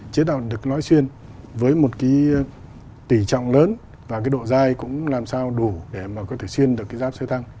chế tạo được loại xuyên với một cái tỷ trọng lớn và cái độ dài cũng làm sao đủ để mà có thể xuyên được cái giáp xe thăng